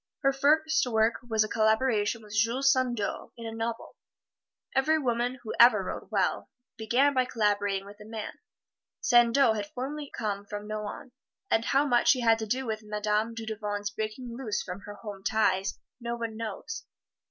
Her first work was a collaboration with Jules Sandeau in a novel. Every woman who ever wrote well began by collaborating with a man. Sandeau had formerly come from Nohant, and how much he had to do with Madame Dudevant's breaking loose from her homes ties no one knows.